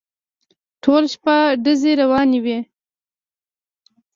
ټوله شپه ډزې روانې وې.